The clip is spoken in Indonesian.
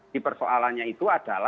di persoalannya itu